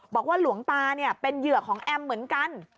บอกว่าหลวงตาเป็นเหยื่อของแอมเหมือนกัน